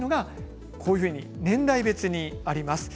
年代別にあります。